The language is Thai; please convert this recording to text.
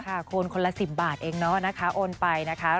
คนคนละ๑๐บาทเองเนาะนะคะโอนไปนะคะ